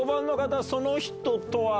その人とは。